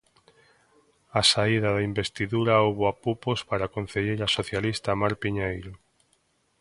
Á saída da investidura houbo apupos para a concelleira socialista Mar Piñeiro.